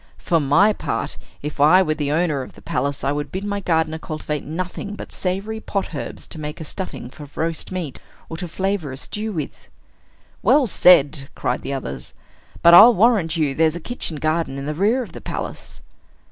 "For my part, if I were the owner of the palace, I would bid my gardener cultivate nothing but savory pot herbs to make a stuffing for roast meat, or to flavor a stew with." "Well said!" cried the others. "But I'll warrant you there's a kitchen garden in the rear of the palace."